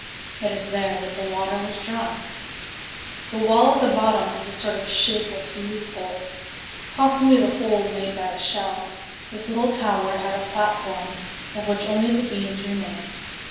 It is there that the water was drawn. The wall at the bottom has a sort of shapeless loophole, possibly the hole made by a shell. This little tower had a platform, of which only the beams remain.